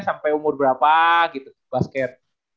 sampai umur berapa gitu basket